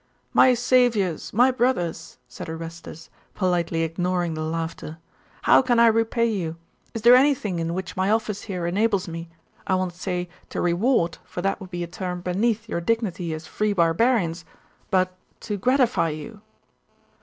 'My saviours, my brothers!' said Orestes, politely ignoring the laughter. 'How can I repay you? Is there anything in which my office here enables me I will not say to reward, for that would be a term beneath your dignity as free barbarians but to gratify you?